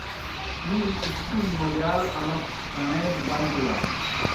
می اسکُون مولِیال اݨوْک کݨے دہ بن بِلان۔